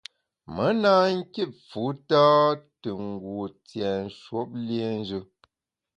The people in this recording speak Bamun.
Me na kit fu tâ te ngu tienshwuop liénjù.